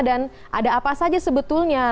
dan ada apa saja sebetulnya